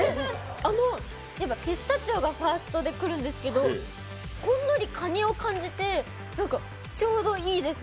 ピスタチオがファーストで来るんですけどほんのり、かにを感じてちょうどいいです。